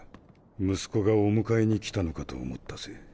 息子がお迎えに来たのかと思ったぜ。